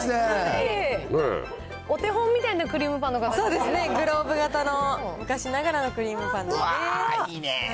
お手本みたいなクリームパンそうですね、グローブ型の昔ながらのクリームパンですね。